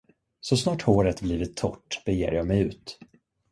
Så snart håret blivit torrt beger jag mig ut.